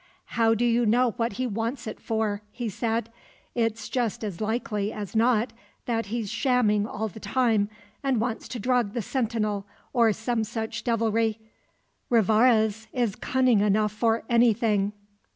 "How do you know what he wants it for?" he said. "It's just as likely as not that he's shamming all the time and wants to drug the sentinel, or some such devilry. Rivarez is cunning enough for anything."